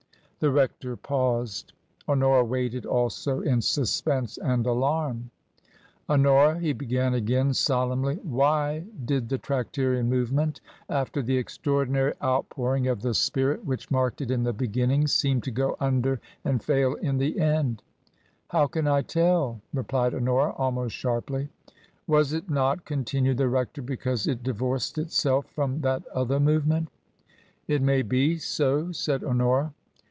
The rector paused. Honora waited also in suspense and alarm. " Honora," he begah again, solemnly, " why did the Tractarian movement, after the extraordinary outpouring 28 TRANSITION, of the Spirit which marked it in the beginning, seem to go under and fail in the end ?"" How can I tell ?" replied Honora, almost sharply. "Was it not," continued the rector, "because it di vorced itself from that other movement ?"" It may be so," said Honora.